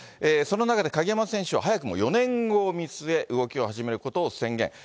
その中で鍵山選手は、早くも４年後を見据え、動きを始めることを宣言。